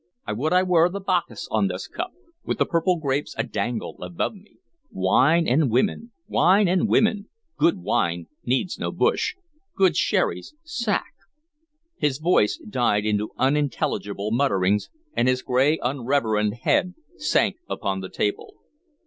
I would I were the Bacchus on this cup, with the purple grapes adangle above me.... Wine and women wine and women... good wine needs no bush... good sherris sack"... His voice died into unintelligible mutterings, and his gray unreverend head sank upon the table.